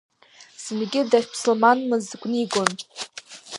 Зынгьы дахьԥсылманмыз гәнигон.